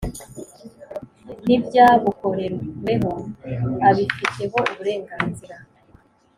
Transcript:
n ibyabukoreweho abifiteho uburenganzira